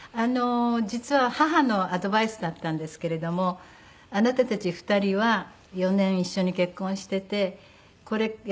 実は母のアドバイスだったんですけれども「あなたたち２人は４年一緒に結婚しててやっぱり成長してる」と。